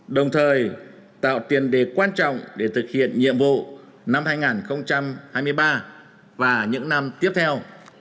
đồng thời tạo tiền đề quan trọng để thực hiện nhiệm vụ năm hai nghìn hai mươi ba và những năm tiếp theo